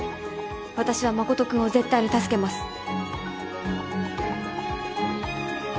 私は誠君を絶対に助けます。